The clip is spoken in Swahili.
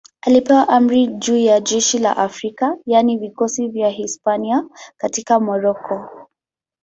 Alipewa amri juu ya jeshi la Afrika, yaani vikosi vya Hispania katika Moroko.